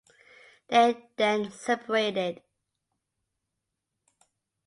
They then separated.